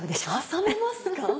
挟めますか？